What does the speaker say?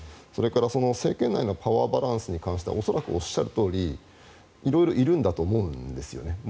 それから政権内のパワーバランスに関しては恐らくおっしゃるとおり色々いるんだと思うんです。